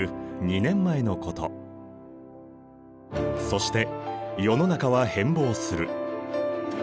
そして世の中は変貌する。